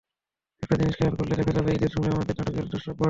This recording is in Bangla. একটা জিনিস খেয়াল করলে দেখা যাবে ঈদের সময়ে আমাদের নাটকের দর্শক বাড়ে।